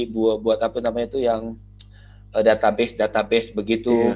buat apa namanya itu yang database database begitu